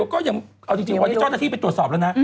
ก็ยังเอาจริงวันนี้เจ้าหน้าที่ไปตรวจสอบแล้วนะ